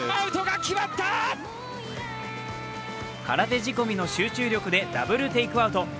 空手仕込みの集中力でダブルテイクアウト。